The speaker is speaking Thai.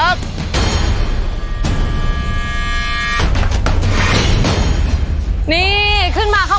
ขอบคุณมากค่ะ